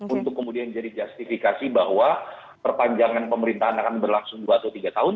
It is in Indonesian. untuk kemudian jadi justifikasi bahwa perpanjangan pemerintahan akan berlangsung dua atau tiga tahun